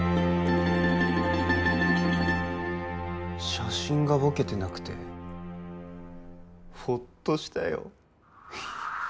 写真がボケてなくてフォットしたよ